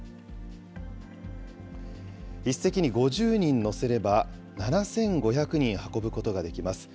１隻に５０人乗せれば７５００人運ぶことができます。